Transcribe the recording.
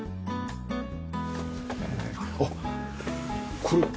あっこれ。